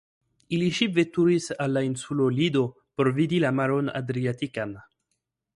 Ili ŝipveturis al la insulo Lido por vidi la maron Adriatikan.